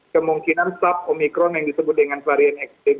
kemungkinan sub omikron yang disebut dengan varian xbb